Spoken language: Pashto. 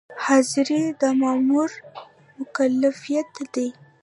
حاضري د مامور مکلفیت دی